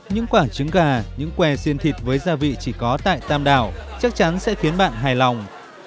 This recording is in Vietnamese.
những quả trứng gà những que xên thịt với gia vị chỉ có tại tam đảo chắc chắn sẽ khiến bạn hài lòng